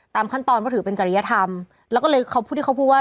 ขั้นตอนเพราะถือเป็นจริยธรรมแล้วก็เลยเขาพูดที่เขาพูดว่า